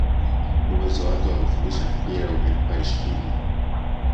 uwezo wake wa kufundisha mpira umempa heshima